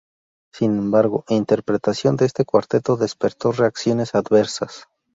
Sin embargo interpretación de este cuarteto despertó reacciones adversas.